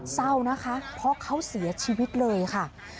เศร้านะคะเพราะเขาเสียชีวิตเลยค่ะ